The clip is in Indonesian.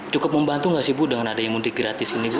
cukup membantu nggak sih ibu dengan ada yang mudik gratis ini ibu